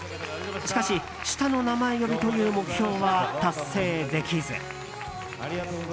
しかし、下の名前呼びという目標は達成できず。